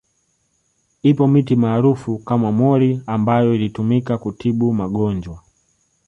Ipo miti maarufu kama mwori ambayo ilitumika kutibu magonjwa